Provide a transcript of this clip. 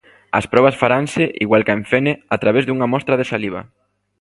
As probas faranse, igual ca en Fene, a través dunha mostra de saliva.